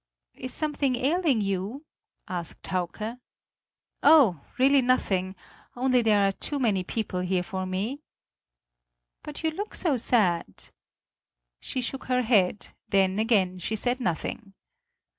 "Is something ailing you?" asked Hauke. "Oh, really nothing; only there are too many people here for me." "But you look so sad!" She shook her head; then again she said nothing.